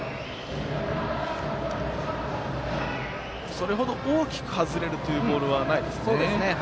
それほど大きく外れるというボールはないですね。